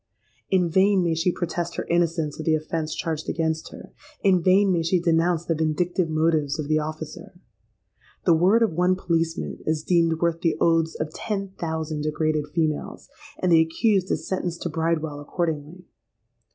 In vain may she protest her innocence of the offence charged against her: in vain may she denounce the vindictive motives of the officer. The word of one policeman is deemed worth the oaths of ten thousand degraded females; and the accused is sentenced to Bridewell accordingly.